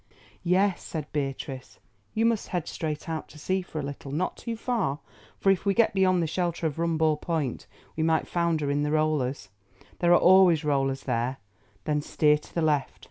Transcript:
"Yes," said Beatrice. "You must head straight out to sea for a little—not too far, for if we get beyond the shelter of Rumball Point we might founder in the rollers—there are always rollers there—then steer to the left.